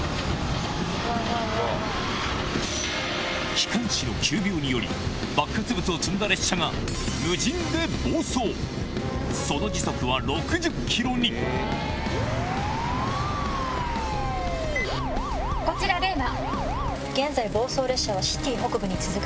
機関士の急病により爆発物を積んだ列車がその時速は６０キロにこちらレイナ。